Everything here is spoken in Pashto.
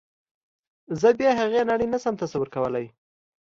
زه بې هغې نړۍ نشم تصور کولی